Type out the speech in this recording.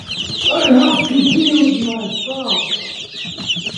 I have to be with my father.